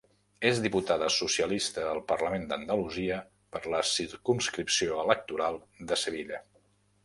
És diputada socialista al Parlament d'Andalusia per la circumscripció electoral de Sevilla.